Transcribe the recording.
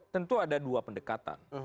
tentu ada dua pendekatan